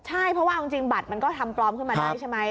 ใช่เพราะว่าเอาจริงบัตรมันก็ทำปลอมขึ้นมาได้ใช่ไหม